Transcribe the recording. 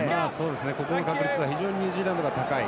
ここの確率は非常にニュージーランドが高い。